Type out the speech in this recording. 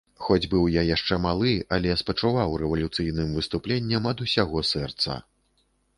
Хоць быў я яшчэ малы, але спачуваў рэвалюцыйным выступленням ад усяго сэрца.